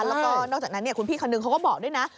แล้วก็นอกจากนั้นคุณพี่คนนึงเขาก็บอกด้วยนะ